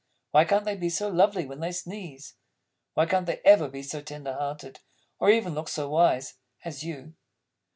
Why can't they be so lovely when they sneeze? Why can't they ever be so tender hearted, Or even look so wise As You?